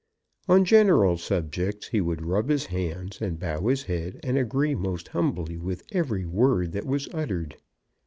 On general subjects he would rub his hands, and bow his head, and agree most humbly with every word that was uttered.